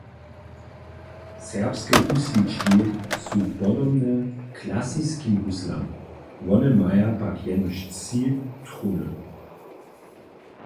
Serbske huslički su podobne klasiskim huslam, wone maja pak jenož tři truny.